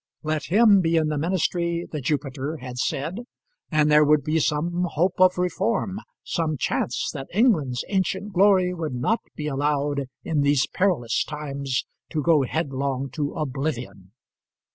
Let him be in the ministry, the Jupiter had said, and there would be some hope of reform, some chance that England's ancient glory would not be allowed in these perilous times to go headlong to oblivion.